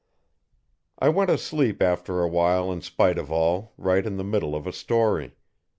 I went asleep after awhile in spite of all, right in the middle of a story.